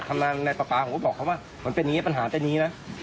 ประปาผมก็บอกเขาว่ามันเป็นอย่างนี้ปัญหาเป็นอย่างนี้